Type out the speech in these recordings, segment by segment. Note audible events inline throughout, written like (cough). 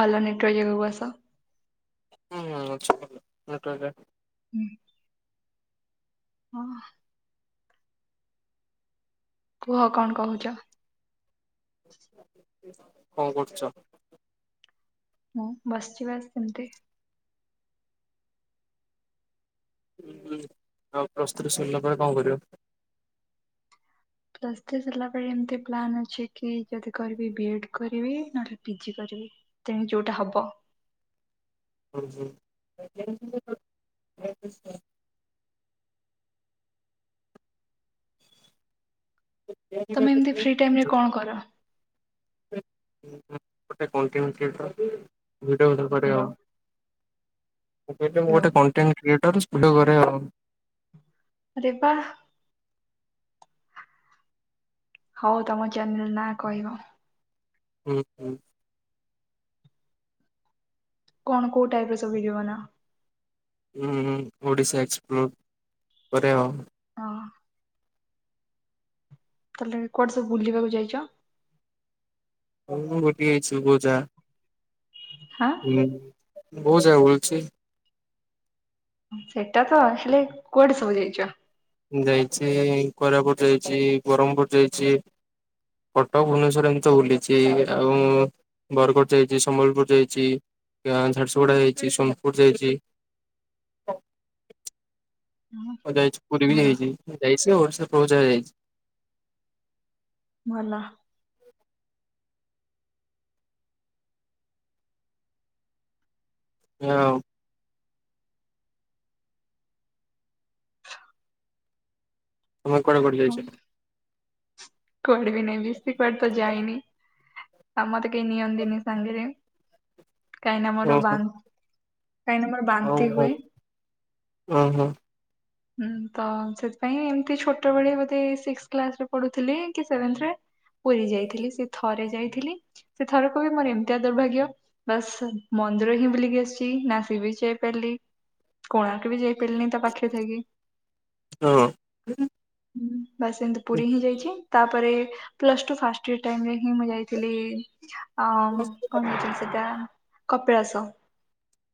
ଭଲ ନେଟୱର୍କ ଜାଗାକୁ ଆସ। ହୁଁ ଛକରେ ହୁଁ। ହଁ। କୁହ କଣ କହୁଚ? କଣ କରୁଚ? ହଁ ବସିଚି ବା ସେମିତି। ହୁଁ ଆଉ (unintelligible) ସରିଲା ପରେ କଣ କରିବ? ପ୍ଲସ୍ତ୍ରତ୍ରି ସରିଲା ପରେ ଏମିତି ପ୍ଲାନ୍ ଅଛି କି ଯଦି କରିବି ବି ଏଡ଼୍ କରିବି ନହେଲେ ପିଜି କରିବି। ତେଣୁ ଯୋଉଟା ହବ। (unintelligible) (unintelligible) ତମେ ଏମିତି ଫ୍ରି ଟାଇମ ରେ କଣ କର? ହ୍ୟାଲୋ (unintelligible) ମୁଁ କହିଲି ମୁଁ ହ୍ୟାଲୋ ଗୋଟେ କଣ୍ଟେଣ୍ଟ କ୍ରିଏଟର (unintelligible) ଘରେ ଆଉ। ଆରେ ବା। ହଉ ତମ ଚ୍ୟାନେଲ ନା କହିବ। ହୁଁ ହୁଁ। କଣ କୋଉ ଟାଇପ ର ସବୁ ଭିଡ଼ିଓ ବନାଅ? ହୁଁ ହୁଁ ଓଡ଼ିଶା ଏକ୍ସପ୍ଲୋର୍ କରୋବ। ହଁ। ତାଲେ କୁଆଡେ ସବୁ ବୁଲିବାକୁ ଯାଇଚ? ହଁଁ ଗୋଟେ ହେଇଛିୁଜା (unintelligible) ହଁ। ହୁଁ ବହୁତ ଜାଗା ବୁଳିଛି। ସେଇଟା ତ ହେଲେ କୁଆଡେ ସବୁ ଯାଇଛ? ଯାଇଛି କୋରାପୁଟ ଯାଇଛି, ବ୍ରହ୍ମପୁର ଯାଇଛି କଟକ, ଭୁବନେଶ୍ଵର ଏମିତି ବୁଲିଛି ଆଉ ବରଗଡ଼ ଯାଇଚି, ସମ୍ବଲପୁର ଯାଇଛି, ଝାରସୁଗୁଡା ଯାଇଛି, ସୋନପୁର ଯାଇଛି। ହଁ ଆଉ ଯାଇଛି ପୁରୀ ବି ଭଲ ଯାଇଛି ଯାଇଛି ସେ ପ୍ରହୁ ଯାଇଛି। ଭଲ। ହଁ (unintelligible) ତମ କୁଆଡ଼େ କୁଆଡ଼େ ହଁ ଯାଇଛ? କୁଆଡେ ବି ନା (unintelligible) ଇଁତି କୁଆଡେ ତ ଯାଇନି ଆମ ତ କେହି ନିଅନ୍ତିନି ସାଙ୍ଗରେ। କହିଁନା ମୋର ଓହୋ ବାନ୍ତ କହିଁନା ମ ହଉ ହଉ ଓ ହୋ। ହୁଁ ତ ସେଥିପାଇଁ ଏମତି ଛୋଟବେଳେ ବୋଧେ ସିକ୍ସ କିଲାସରେ ପଢୁଥିଲି କି ସେଭେନ୍ ତ୍ରେର୍ ପୁରୀ ଯାଇଥିଲି ସେ ଥରେ ଯାଇଥିଲି ସେ ଥରକୁ ବି ମୋର ଏମିତିଆ ଦୁର୍ଭାଗ୍ୟ ବାସ୍ ମନ୍ଦିର ହିଁ ବୁଲିି ଆସିଛି ନା ସିବିଜ୍ ଯାଇପାଲି କୋଣାର୍କ ବି ଯାଇ ପିଲି ତା ପାଖରେ କି। ହଁ। ହୁଁ ବାସ୍ ଏମିତି ପୁରୀ ହିଁ ଯାଇଛି। ତାପରେ ପ୍ଲସ୍ ଟୁ ଫାଷ୍ଟିଅର ଟିଇମ୍ ରେ ହଁ ମୁଁ ଯାଇଥିଲି। ଅ ହଁ କଣ ହେଇଛନ୍ତି ସେଟା କପିଳାସ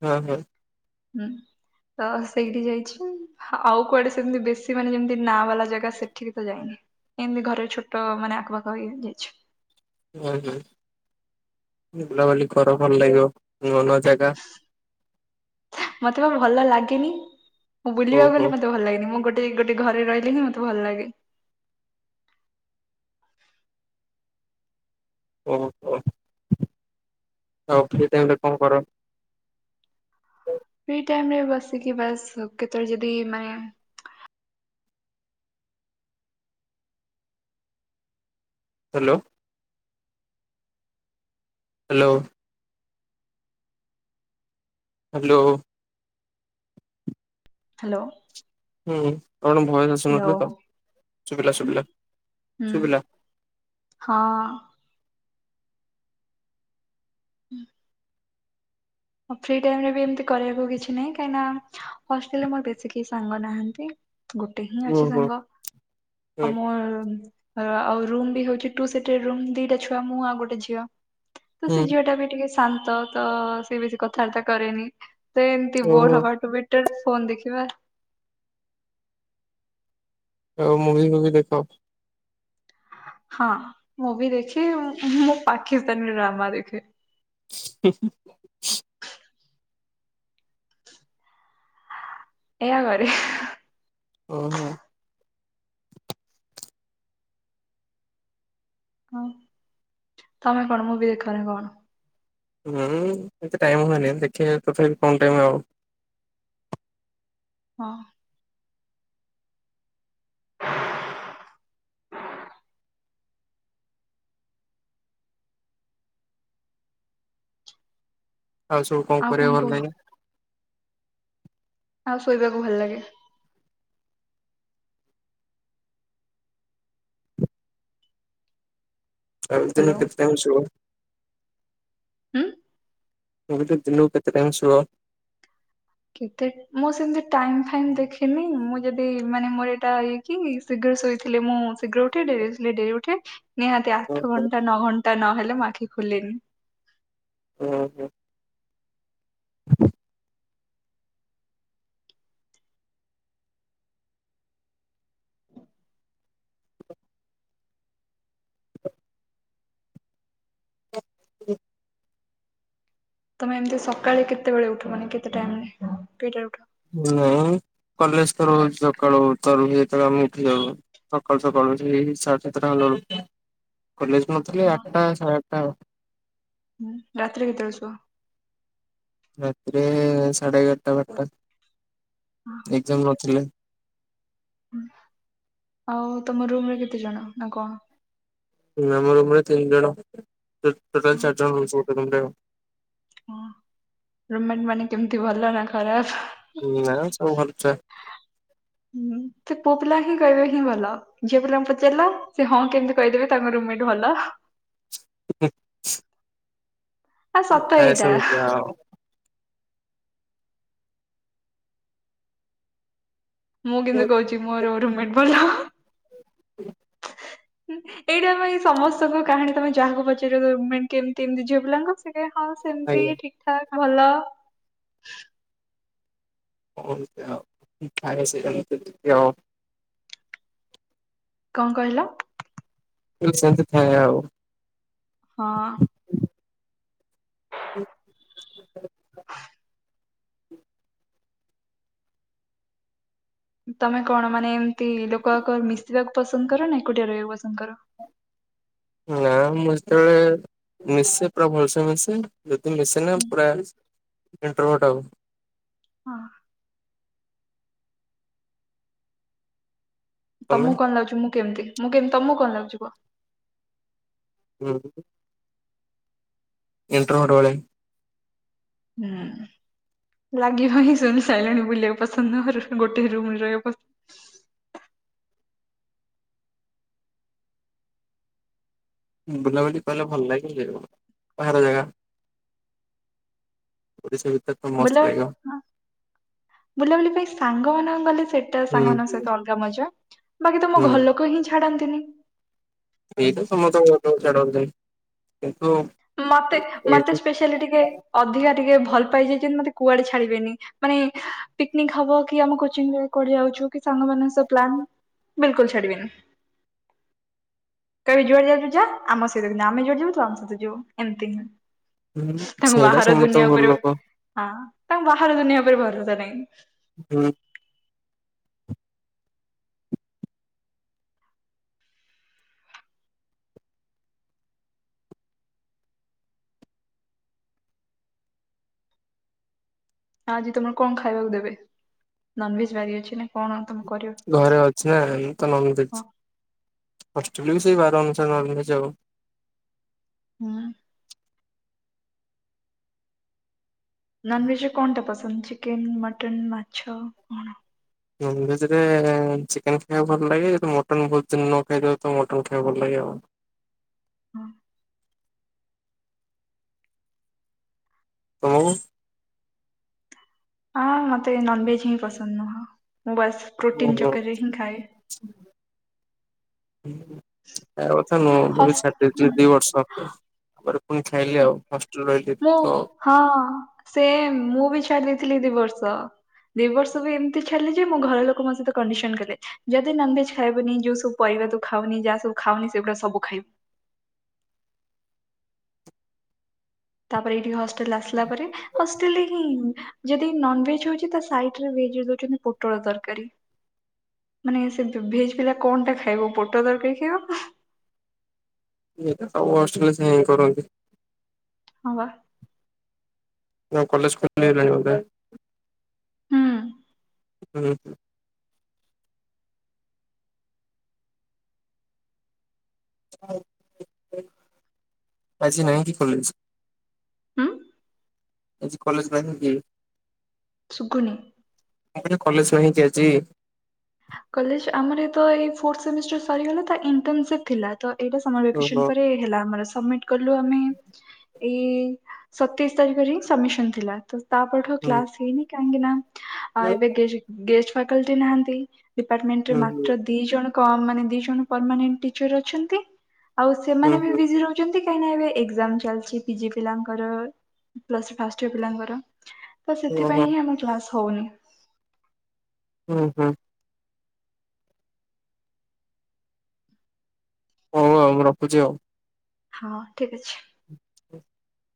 ହଁ ହଁ। ହୁଁ ତ ସେଇଠି ଯାଇଛି। ଆଉ କୁଆଡେ ସେମିତି ବେଶୀ ମାନେ ଯେମିତି ନାଁ ବାଲା ଜାଗା ସେଠିକି ତ ଯାଇନି। ଏମିତି ଘରେ ଛୋଟ ମାନେ ଆଖପଖ ହେଇ ଯାଇଛି। ହୁଁ ହୁଁ ବୁଲା ବୁଲି କର ଭଲ ଲାଗିବ ନୂଆ ନୂଆ ଜାଗା। ମତେ ପା ଭଲ ଲାଗେନି ମୁଁ ହଉ ବୁଲିବାକୁ ହଉ ଗଲେ ମତେ ଭଲ ଲାଗେନି ମୁଁ ଗୋଟେ ଗେ ଗୋଟେ ଘରେ ରହିଲେି ମତେ ଭଲ ଲାଗେ। ଓ ହୋ। ଆଉ ଫ୍ରି ଟାଇମରେ କଣ କର? (inaudible) ଫ୍ରି ଟାଇମରେ ବସିକି ବାସ୍ କେତେବେଳେ ଯଦି ମାନେ ହାଲୋ। ହାଲୋ। ହାଲୋ। ହାଲୋ। ହୁଁ କଣ ଭୟସ ଆସୁନଥିଲୁତ ଶୁଭିଲା ହୁଁ ଶୁଭିଲା ଶୁଭିଲା। ହଁ। (unintelligible) ଫ୍ରି ଟାଇମରେ ବି ଏମତି କରିବାକୁ କିଛି ନାହିଁ କାହିଁକିନା ହଷ୍ଟେଲରେ ମୋର ବେଶୀ କେହି ସାଙ୍ଗ ନାହାନ୍ତି। ଗୋଟେ ହିଁ ଅଛି ଓହୋ ସାଙ୍ଗ ହୁଁ ଆଉ ମୋ ଆଉ ରୁମ୍ ବି ହଉଛି ଟୁ ସିଟର ରୁମ୍ ଦିଟା ଛୁଆ ମୁଁ ଆଉ ଗୋଟେ ଝିଅ। ତ ହୁଁ ସେ ଝିଅ ଟା ବି ଟିକେ ଶାନ୍ତ ତ ସେ ବେଶୀ କଥାବାର୍ତ୍ତା କରେନି। ସେ ଏମିତି ବୋର ଓହୋ ହବା ଟୁ ବେଟର ଫୋନ୍ ଦେଖିବା। ଆଉ ମୁଭି ଫୁଭି ଦେଖ। ହଁ ମୁଭି ଦେଖେ ମୁଁ ପାକିସ୍ତାନୀ ଡ୍ରାମା ଦେଖେ। (inaudible) ଏଆ କରେ। ଓହୋ। ଆଉ ତମେ କଣ ମୁଭି ଦେଖ ନା କଣ? ହୁଁ ଏତେ ଟାଇମ ହୁଏନି ଦେଖିବା ତଥାପି କମ୍ ଟାଇମ୍ ଆଉ। ହଁ। ଆଉ ସବୁ କଣ କରିବାକୁ ଭଲ ଲାଗେ? ଆଉ ଶୋଇବାକୁ ଭଲ ଲାଗେ। ଆ ହ୍ୟାଲୋ ଦିନକୁ କେତେ ଟାଇମ୍ ଶୁଅ? ହୁଁ? ମୁଁ ବି (unintelligible) ଦିନକୁ କେତେ ଟାଇମ୍ ଶୁଅ? କେତେ ମୁଁ ସେମିତି ଟାଇମ୍ ଫାଇମ୍ ଦେଖିନି ମୁଁ ଯଦି ମାନେ ମୋର ଏଇଟା ଏ କି ଶୀଘ୍ର ଶୋଇଥିଲେ ମୁଁ ଶୀଘ୍ର ଉଠେ ଡେରିରେ (unintelligible) ଡେରିରେ ଉଠେ। ନିହାତି ଆଠ ଓହୋ ଘଣ୍ଟା ନଅ ଘଣ୍ଟା ନହେଲେ ମୋ ଆଖି ଖୋଲେନି। ଓହୋ। (inaudible) (unintelligible) ତମେ ଏମିତି ସକାଳେ କେତେବେଳେ ଉଠ ମାନେ କେତେ ଟାଇମରେ କେଇଟାରେ ଉଠ? ନାଇଁ କଲେଜ ତ ରହୁଛି ସକାଳୁ ତାର ଭିତରେ ଆମେ ଉଠି ଯାଉ। ସକାଳୁ ସକାଳୁ ଉଠିକି ସାଢେ ସାତଟା ହେଲା ବେଳକୁ କଲେଜ ନଥିଲେ ହୁଁ ଆଠଟା ସାଢେ ଆଠଟା ଆଉ। ରାତିରେ କେତେବେଳେ ଶୁଅ? ରାତିରେ ସାଢେ ଏଗାରଟା ବାରଟା ଏକ୍ଜାମ୍ ନଥିଲେ। ଆଉ ତମ ରୁମରେ କେତେ ଜଣ? ତାଙ୍କ ଆମ ରୁମରେ ତିନି ଜଣ ଟୋ ଟୋଟାଲି ଚାରି ଜଣ ରହୁଛୁ ଗୋଟେ ରୁମରେ ଆଉ। ହଁ ରୁମ ମେଟ୍ ମାନେ କେମତି ଭଲ ନା ଖରାପ? ନା ମ ସବୁ ଭଲ ଛୁଆ। ସେ ପୁଅ ପିଲା ହିଁ ଗାଇବେ ହିଁ ଭଲ। ଝିଅ ପିଲାଙ୍କୁ ପଚାରିଲ ସେ ହଁ କେମିତି କହିଦେବେ ତାଙ୍କ ରୁମ୍ ମେଟ୍ ଭଲ? ହୁଁ (unintelligible) ଆ ସତ ଏଇଟା। ସେମିତି ଆଉ ମୁଁ କିନ୍ତୁ କହୁଛି ମୋ ରୁମ ମେଟ୍ ଭଲ। (inaudible) ଏଇଟା ଆମପାଇଁ ସମସ୍ତଙ୍କ କାହାଣୀ ତମେ ଯାହାକୁ ପଚାରିବ ରୁମ୍ ମେଟ୍ କେମିତି ଏମିତି ଝିଅ ପିଲାଙ୍କ ଟିକେ ହଁ ସେମିତି ଆଜ୍ଞା। ଠିକ୍ ଠାକ୍ ଭଲ। (inaudible) କଣ କହିଲ? କଲି ସେମିତି ଥାଏ ଆଉ। ହଁ। (unintelligible) ତମେ କଣ ମାନେ ଏମତି ଲୋକବାକ ମିଶିବାକୁ ପସନ୍ଦ କର ନା ଏକୁଟିଆ ରହିବାକୁ ପସନ୍ଦ କର? ନା ମୁଁ ଯେତେବେଳେ ମିଶେ ପୁରା ଭଲସେ ମିଶେ, ଯଦି ମିଶେ ନା ପୁରା ଇନ୍ଟ୍ରୋଭର୍ଟ ଆଉ। ହଁ। ତମେ ତମକୁ କଣ ଲାଗୁଛି ମୁଁ କେମିତି ମୁଁ କେମତି ତମକୁ କଣ ଲାଗୁଛି କୁହ? ହୁଁ ଇନ୍ଟ୍ରୋଭର୍ଟ ଭଳି। ହୁଁ, ଲାଗିବ ହିଁ। ଶୁଣି ସାରିଲଣି ବୁଲିବାକୁ ପସନ୍ଦ ନୁହଁ। ମୋର ଗୋଟେ ରୁମରେ ରହିବାକୁ ପସ ବୁଲାବୁଲି କଲେ ଭଲ ଲାଗିବ ଯେ ବାହାର ଜାଗା। ପୁରୀ ସି ବିଚ ଟା ତ ବୋଲେ ମସ୍ତ ଲାଗିବ। ହଁ ବୁଲାବୁଲି ପାଇଁ ସାଙ୍ଗମାନଙ୍କ ଗଲେ ସେଇଟା ହୁଁ ସାଙ୍ଗମାନଙ୍କ ସହିତ ଅଲଗା ମଜା ବାକି ତ ମୋ ହୁଁ ଘରଲୋକ ହିଁ ଛାଡନ୍ତିନି। ସେଇତ ସମସ୍ତଙ୍କ ଘର ଲୋକ ଛାଡନ୍ତିନି। କିନ୍ତୁ ମତେ ଏ ମତେ ଯୋଉ ସ୍ପେଶାଆଲି ଟିକେ ଅଧିକା ଟିକେ ଭଲ ପାଇ ଯାଇଛନ୍ତି ମତେ କୁଆଡେ ଛାଡିବେନି। ମାନେ ପିକନିକ ହବ କି ଆମ କୋଚିଙ୍ଗ ରେ କୁଆଡେ ଯାଉଛୁ କି ସାଙ୍ଗମାନଙ୍କ ସହିତ ପ୍ଲାନ୍। ବିଲକୁଲ ଛାଡ଼ିବେନି। କହିବେ ଯୁଆଡେ ଯାଉଛୁ ଯା ଆମ ସହିତ ଯା। ଆମେ ଯୁଆଡେ ଯିବୁ ତୁ ଆମ ସହିତ ଯିବୁ। ଏମତି ହିଁ। ହୁଁ, ତାଙ୍କୁ ସେଇଟା ବାହାର ଦୁନିଆ ସମସ୍ତଙ୍କ ଘର ଉପରେ ଲୋକ। ହଁ, ତାଙ୍କୁ ବାହାର ଦୁନିଆ ଉପରେ ଭରସା ନାହିଁ ହୁଁ। ଆଜି ତମର କଣ ଖାଇବାକୁ ଦେବେ ନନଭେଜ ବାରି ଅଛି ନା କଣ ତମେ କରିବ? ଘରେ ଅଛି ନା ତ ନନ୍ଭେଜ୍। ହଁ ହଷ୍ଟେଲରେ ବି ସେଇ ବାର ଅନୁସାରେ ନନ୍ଭେଜ୍ ଆଉ। ହୁଁ। ନନଭେଜରେ କଣଟା ପସନ୍ଦ ଚିକେନ, ମଟନ୍, ମାଛ କଣ? ନନ୍ଭେଜରେ ଚିକେନ ଖାଇବାକୁ ଭଲ ଲାଗେ। ଯଦି ମଟନ୍ ବହୁତ ଦିନ ନ ଖାଇଥିବି ତାହେଲେ ମଟନ୍ ଖାଇବାକୁ ଭଲ ଲାଗେ ଆଉ। ହଁ। ତମକୁ? ହଁ, ମତେ ନନଭେଜ ହିଁ ପସନ୍ଦ ନୁହଁ। ମୁଁ ବାସ୍ ପ୍ରୋଟିନ ଓଃ ହୁଁ ଚକରରେ ହିଁ ଖାଏ। ହୁଁ। ଖାଇବା କଥା ନୁହଁ। ମୁଁ ବି ହସ୍ ଛାଡି ହୁଁ ଦେଇଥିଲି ଦି ବର୍ଷ ହେଲା। ତାପରେ ପୁଣି ଖାଇଲି ହୁଁ, ଆଉ ହଷ୍ଟେଲ ରହିଲି ମୁଁ ତ ଆଉ। ହଁ, ସେମ୍। ମୁଁ ବି ଛାଡି ଦେଇଥିଲି ଦି ବର୍ଷ। ଦି ବର୍ଷ ବି ଏମିତି ଛାଡିଲି ଯେ ମୋ ଘର ଲୋକ ମୋ ସହିତ କଣ୍ଡିସନ କଲେ। ଯଦି ନନଭେଜ ଖାଇବୁନି ଯୋଉ ସବୁ ପରିବା ତୁ ଖାଉନି ଯାହା ସବୁ ଖାଉନି ସେଗୁଡ଼ା ସବୁ ଖାଇବୁ। ତାପରେ ଏଇଠି କି ହଷ୍ଟେଲ ଆସିଲା ପରେ ହଷ୍ଟେଲ ରେ ହିଁ ଯଦି ନନଭେଜ ହଉଛି ତା ସାଇଟ୍ ରେ ଭେଜ୍ ରେ ଦଉଛନ୍ତି ପୋଟଳ ତରକାରୀ। ମାନେ ସେ ଭେଜ ପିଲା କଣଟା ଖାଇବ ପୋଟଳ ତରକାରୀ ଖାଇବ ସବୁ ହଷ୍ଟେଲରେ ସେଇଆ ହିଁ କରନ୍ତି। ହଁ ବା। ତମ କଲେଜ ଖୋଲି ଗଲାଣି ବୋଧେ? ହୁଁ ହୁଁ। ଆଜି ନାଇଁ କି କଲେଜ? ହୁଁ ଆଜି କଲେଜ ଯାଇନଥିଲ କି? ସୁଗୁନି। ମୁଁ କହିଲି କଲେଜ ନାହିଁ କି ଆଜି? କଲେଜ ଆମର ଏଇତ ଏଇ ଫୋର୍ଥ ସେମିଷ୍ଟର ସରିଗଲା ତ ଇଣ୍ଟସିପ ଥିଲା ତ ଏଇଟା ଆମର ଆଡ଼ମିଶନ ଓହୋ। ପରେ ହେଲା ଆମର ସମିଟ। କଲୁ ଆମେ ଏଇ ସତେଇଶ ତାରିଖରେ ହିଁ ସବମିିଶନ ଥିଲା ତ ତା ପରଠୁ ହୁଁ କ୍ଲାସ ହେଇନି କାହିଁକି ନା ଆଉ ହୁଁ ଏବେ ଗେ ଗେଷ୍ଟ ଫ୍ୟାକଲ୍ଟି ନାହାନ୍ତି। ଡିପାର୍ଟମେଣ୍ଟରେ ମାତ୍ର ଦି ଜଣ କ ମାନେ ଦି ଜଣ ପରମାନେଣ୍ଟ ଟିଚର ଅଛନ୍ତି। ଆଉ ହୁଁ ହୁଁ ସେମାନେ ବି ହୁଁ ବିଜି ରହୁଛନ୍ତି କାହିଁକି ଏବେ ଏକଜାମ ଚାଲିଛି ପିଜି ପିଲାଙ୍କର। ପ୍ଲସ ସ୍ତି ଫାଷ୍ଟ ପିଲାଙ୍କର ତ ଓହୋ ସେଥିପାଇଁ ହିଁ ଆମେ କ୍ଲାସ ହଉନି।। ହୁଁ ହୁ। ହଉ ଆଉ ମୁଁ ରଖୁଛି ଆଉ। ହଁ ଠିକ ଅଛି। (unintelligible)